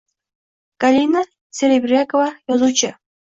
Galina Serebryakova, yozuvchi.